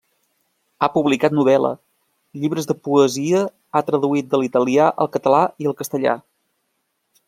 Ha publicat novel·la, llibres de poesia ha traduït de l'italià al català i al castellà.